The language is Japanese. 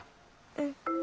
うん。